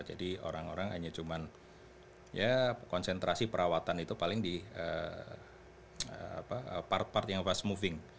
jadi orang orang hanya cuman ya konsentrasi perawatan itu paling di part part yang fast moving